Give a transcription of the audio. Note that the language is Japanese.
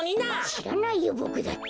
しらないよボクだって。